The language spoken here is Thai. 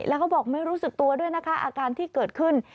แล้วเขาบอกไม่รู้สึกตัวด้วยนะคะอาการที่เกิดขึ้น